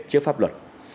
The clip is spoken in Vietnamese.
trước pháp luật